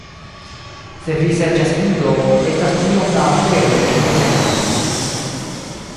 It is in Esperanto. Se vi serĉas Ido, estas tiom da aferoj, kiuj venas